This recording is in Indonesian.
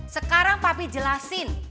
sekarang papi jelasin